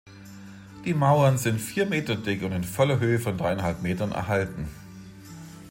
Die Mauern sind vier Meter dick und in voller Höhe von dreieinhalb Metern erhalten.